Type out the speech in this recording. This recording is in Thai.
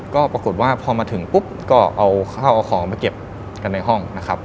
ก็ปรากฏว่าพอมาถึงปุ๊บก็เอาข้าวเอาของมาเก็บกันในห้องนะครับ